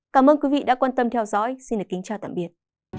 cảm ơn quý vị đã quan tâm theo dõi xin kính chào tạm biệt